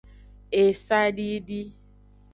Esadidi.